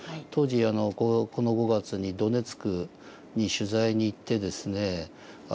当時この５月にドネツクに取材に行ってですね